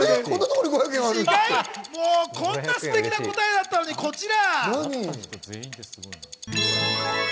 こんなすてきな答えだったの、こちら。